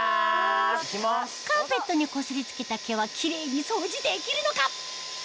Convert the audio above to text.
カーペットにこすりつけた毛はキレイに掃除できるのか？